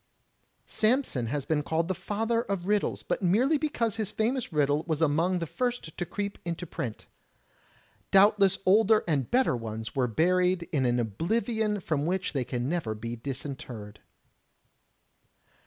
Samson has been called the Father of Riddles, but merely because his famous riddle was among the first to creep into print. Doubtless older and better ones were buried in an oblivion from which they can never be disinterred.